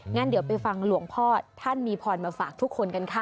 งั้นเดี๋ยวไปฟังหลวงพ่อท่านมีพรมาฝากทุกคนกันค่ะ